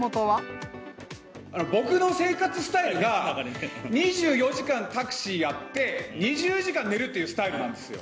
僕の生活スタイルが、２４時間タクシーやって、２０時間寝るというスタイルなんですよ。